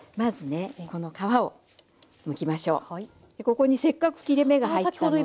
ここにせっかく切れ目が入ったので。